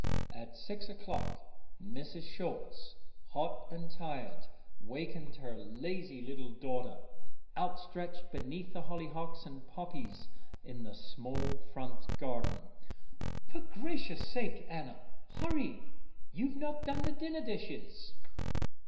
At six o'clock Mrs. Schulz, hot and tired, wakened her lazy little daughter, outstretched beneath the hollyhocks and poppies in the small front garden. "For gracious sake, Anna! Hurry! You've not done the dinner dishes!"